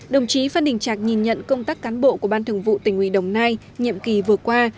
đồng chí phan đình trạc nhìn nhận công tác cán bộ của ban thường vụ tỉnh ủy đồng nai nhiệm kỳ vừa qua